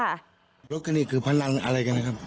รถกรณีของคุณคือพันละไ์อะไรกันนะครับ